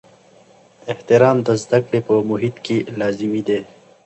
احترام د زده کړې په محیط کې لازمي دی.